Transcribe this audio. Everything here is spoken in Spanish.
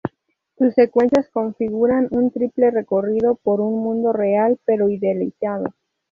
Sus secuencias configuran un triple recorrido por un mundo real, pero idealizado.